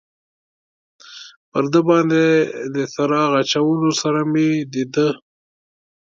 پر ده باندې له څراغ اچولو سره مې د ده.